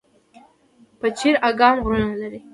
پچیر اګام غرونه لري؟